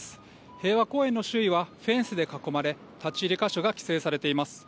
平和公園の周囲はフェンスで囲まれ、立ち入り箇所が規制されています。